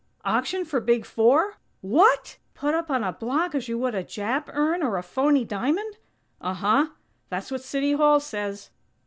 Auction for Big Four? What? Put up on a block as you would a Jap urn or a phony diamond?" "Uh huh; that's what City Hall says."